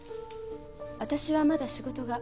私はまだ仕事が。